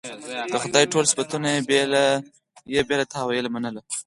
د خدای ټول صفتونه یې بې له تأویله منل.